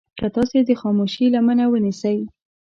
که تاسې د خاموشي لمنه ونيسئ.